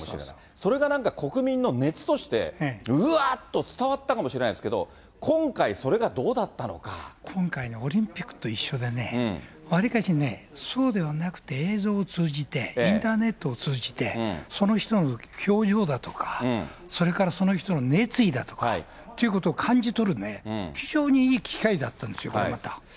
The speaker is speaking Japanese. それがなんか国民の熱として、うわっと伝わったかもしれないですけど、今回、それがどうだった今回ね、オリンピックと一緒でね、わりかしね、そうではなくて映像を通じて、インターネットを通じて、その人の表情だとか、それからその人の熱意だとかということを感じ取る非常にいい機会だったんですよ、これまた。